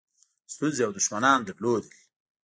ستونزې او دښمنان درلودل.